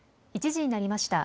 １時になりました。